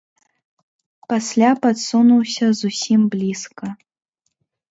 Пасля падсунуўся зусім блізка.